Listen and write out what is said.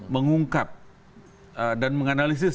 mengungkap dan menganalisis